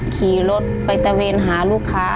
ขี่รถไปตะเวนหาลูกค้า